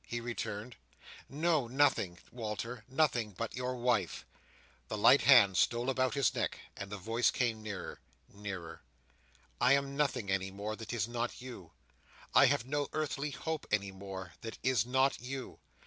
he returned. "No, nothing, Walter. Nothing but your wife." The light hand stole about his neck, and the voice came nearer—nearer. "I am nothing any more, that is not you. I have no earthly hope any more, that is not you.